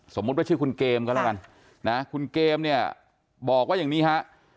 สมมุติว่าชื่อคุณเกมก็แล้วกันนะคุณเกมเนี่ยบอกว่าอย่างนี้ฮะ